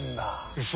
ウソ！？